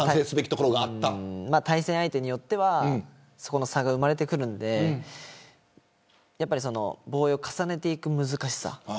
対戦相手によってはそこの差が生まれてくるので防衛を重ねていく難しさ